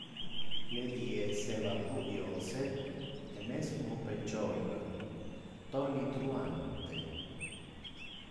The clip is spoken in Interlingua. Le die esseva pluviose, e mesmo pejor, tonitruante.